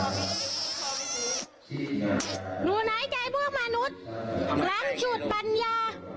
ล้างฉุดปัญญา